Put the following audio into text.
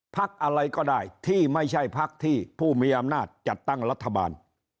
พักอะไรก็ได้ที่ไม่ใช่พักที่ผู้มีอำนาจจัดตั้งรัฐบาล